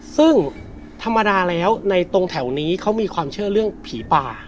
ซึ่งธรรมดาแล้วในตรงแถวนี้เขามีความเชื่อเรื่องผีป่า